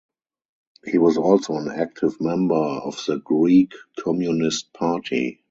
He was also an active member of the Greek Communist Party.